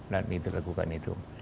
dan dilakukan itu